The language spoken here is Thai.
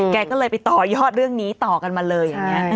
แกก็เลยไปต่อยอดเรื่องนี้ต่อกันมาเลยอย่างนี้